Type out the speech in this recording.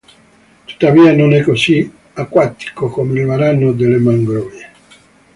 Tuttavia, non è così acquatico come il varano delle mangrovie.